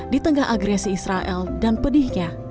di tengah agresi israel dan pedihnya